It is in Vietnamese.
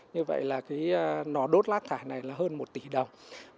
như vậy là cái nò đốt rác thải này là hơn một tỷ đồng